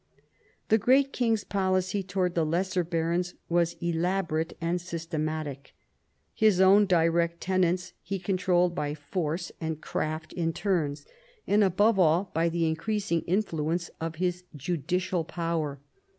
The great king's policy towards the lesser barons was elaborate and systematic. His own direct tenants he controlled by force and craft in turns, and above all v THE ADVANCE OF THE MONARCHY 121 by the increasing influence of his judicial power.